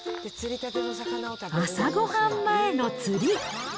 朝ごはん前の釣り。